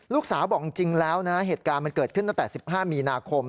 ลูกสาวบอกจริงแล้วนะเหตุการณ์มันเกิดขึ้นตั้งแต่๑๕มีนาคม